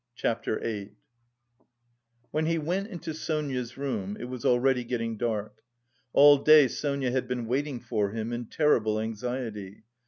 CHAPTER VIII When he went into Sonia's room, it was already getting dark. All day Sonia had been waiting for him in terrible anxiety.